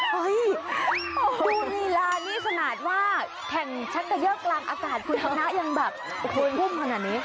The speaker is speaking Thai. ดูฆ่านี้สมาธิว่าแข่งชักเก่ยักกลางอากาศยังแบบฮุ่มขนาดนี้